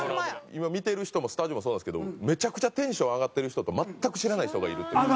今見てる人もスタジオもそうなんですけどめちゃくちゃテンション上がってる人と全く知らない人がいるという。